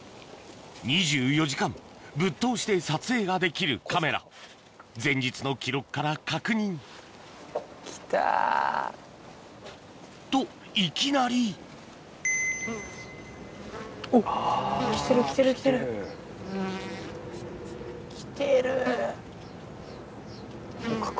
２４時間ぶっ通しで撮影ができるカメラ前日の記録から確認来た。といきなりあ来てる。